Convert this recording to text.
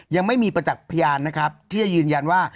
ยังไม่มีประจักษ์พยานนะครับที่จะยืนยันว่า